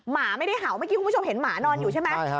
หมาไม่ได้เห่าเมื่อกี้คุณผู้ชมเห็นหมานอนอยู่ใช่ไหม